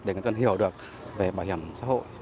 để người dân hiểu được về bảo hiểm xã hội